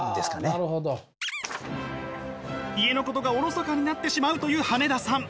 家のことがおろそかになってしまうという羽根田さん。